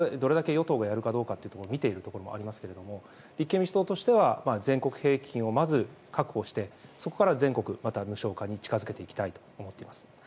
我々もどれだけ与党がやるかを見ているところもありますが立憲民主党としては全国平均をまず確保してそこから全国無償化に近づけていきたいと思ってます。